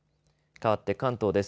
かわって関東です。